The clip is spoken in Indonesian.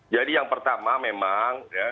jadi yang pertama memang